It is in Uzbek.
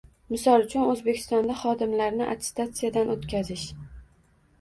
Misol uchun, O‘zbekistonda xodimlarni attestatsiyadan o‘tkazish